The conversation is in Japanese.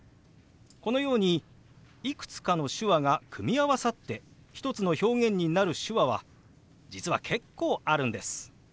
このようにいくつかの手話が組み合わさって一つの表現になる手話は実は結構あるんです。